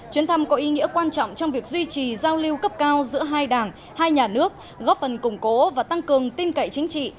chuyến thăm có ý nghĩa quan trọng trong việc duy trì giao lưu cấp cao giữa hai đảng hai nhà nước góp phần củng cố và tăng cường tin cậy chính trị